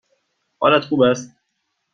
حالت خوب است؟